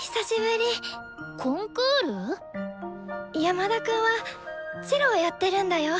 山田くんはチェロやってるんだよ。